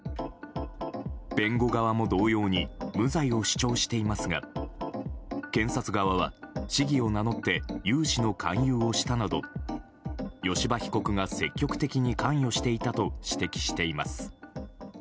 弁護側も同様に無罪を主張していますが検察側は市議を名乗って融資の勧誘をしたなど吉羽被告が積極的に関与していたと指摘しています。